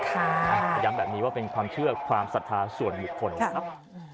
ย้ำแบบนี้ว่าเป็นความเชื่อความศรัทธาส่วนบุคคลนะครับ